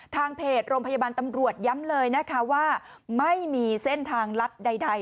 ทางเพจโรงพยาบาลตำรวจย้ำเลยนะคะว่าไม่มีเส้นทางลัดใด